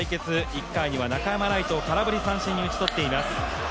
１回には中山礼都を空振り三振に打ち取っています。